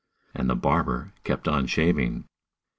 And the barber kept on shaving.